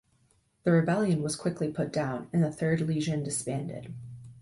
The rebellion was quickly put down, and the Third Legion disbanded.